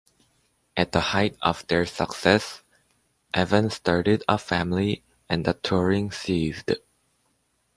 At the height of their success, Evan started a family and the touring ceased.